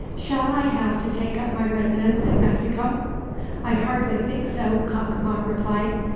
"Shall I have to take up my residence in Mexico?" "I hardly think so," Cacama replied.